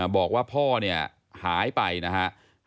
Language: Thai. บอกว่าพ่อเนี่ยหายไปนะฮะ